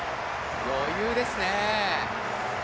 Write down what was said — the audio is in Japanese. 余裕ですね。